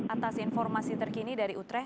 atas informasi terkini dari utreh